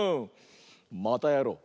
またやろう！